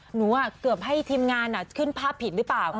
เกือบให้ทีมงานขึ้นภาพผิดหรือเปล่า